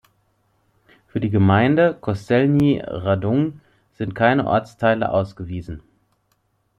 Für die Gemeinde Kostelní Radouň sind keine Ortsteile ausgewiesen.